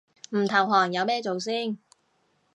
唔投降有咩做先